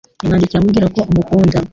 Yamwandikiye amubwira ko amukunda.